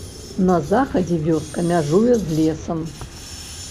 На захадзе вёска мяжуе з лесам.